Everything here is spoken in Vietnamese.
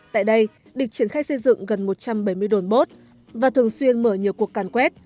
tại đây địch triển khai xây dựng gần một trăm bảy mươi đồn bốt và thường xuyên mở nhiều cuộc càn quét